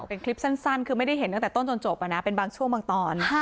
เป็นคลิปสั้นคือไม่ได้เห็นตั้งแต่ต้นจนจบเป็นบางช่วงบางตอน